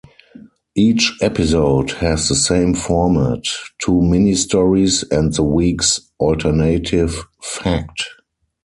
Each episode has the same format, two mini-stories and the week's alternative fact.